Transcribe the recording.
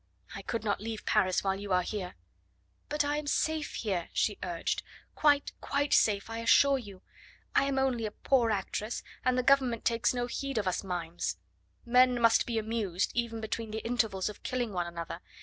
"I could not leave Paris while you are here." "But I am safe here," she urged; "quite, quite safe, I assure you. I am only a poor actress, and the Government takes no heed of us mimes. Men must be amused, even between the intervals of killing one another.